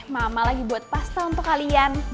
mama lagi buat pasta untuk kalian